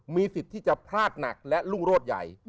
มีสิทธิ์ที่จะพลาดหนักและรุ่งโรดใหญ่